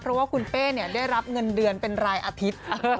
เพราะว่าคุณเป้ได้รับเงินเดือนเป็นรายอาทิตย์